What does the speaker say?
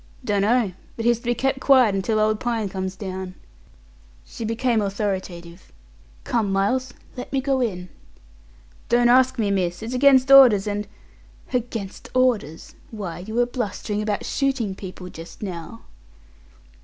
"Dunno. But he's to be kep' quiet until old Pine comes down." She became authoritative. "Come, Miles, let me go in." "Don't ask me, miss. It's against orders, and " "Against orders? Why, you were blustering about shooting people just now."